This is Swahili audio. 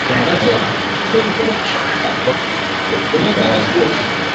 Kwa kukipendelea chama tawala.